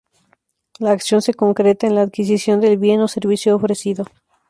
La acción se concreta en la adquisición del bien o servicio ofrecido.